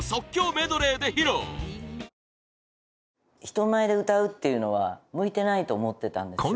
人前で歌うっていうのは向いてないと思ってたんですよ。